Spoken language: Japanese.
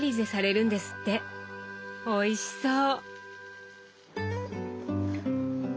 おいしそう！